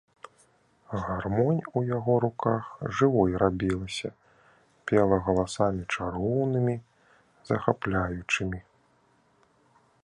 Гармонь у яго руках жывой рабілася, пела галасамі чароўнымі, захапляючымі.